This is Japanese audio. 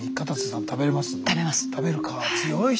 食べるか強い人。